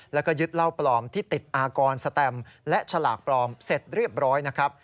แล้วก็ยึดเหล้าปลอมที่ติดอากรสแตมและฉลากปลอมเสร็จเรียบร้อยนะครับ